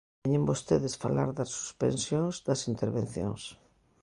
Veñen vostedes falar das suspensións das intervencións.